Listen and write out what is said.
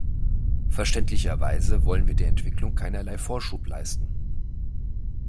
Verständlicherweise wollen wir der Entwicklung keinerlei Vorschub leisten.